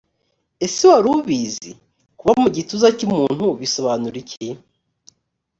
ese wari ubizi kuba mu gituza cy umuntu bisobanura iki